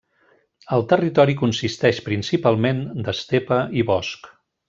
El territori consisteix principalment d'estepa i bosc.